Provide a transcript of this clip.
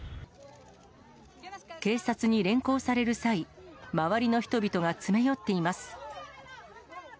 警察に連行される際、周りの人々が詰め寄っています。